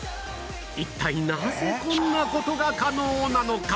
一体なぜこんな事が可能なのか？